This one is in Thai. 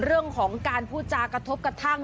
เรื่องของการพูดจากกระทบกระทั่ง